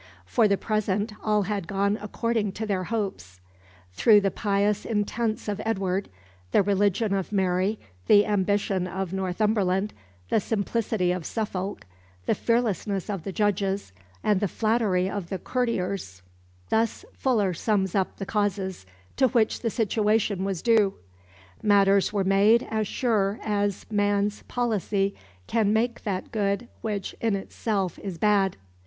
For the present all had gone according to their hopes. "Through the pious intents of Edward, the religion of Mary, the ambition of Northumberland, the simplicity of Suffolk, the fearfulness of the judges, and the flattery of the courtiers" thus Fuller sums up the causes to which the situation was due "matters were made as sure as man's policy can make that good which in itself is bad."